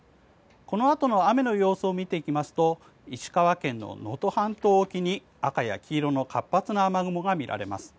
このあとの雨の様子を見ていきますと石川県の能登半島沖に赤や黄色の活発な雨雲が見られます。